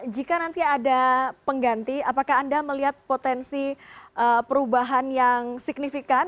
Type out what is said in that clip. jika nanti ada pengganti apakah anda melihat potensi perubahan yang signifikan